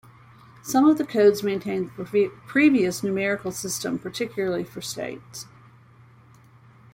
Some of the codes maintain the previous numerical system, particularly for states.